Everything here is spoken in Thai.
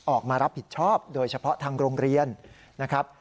ออกมารับผิดชอบโดยเฉพาะทางโรงเรียนนะครับ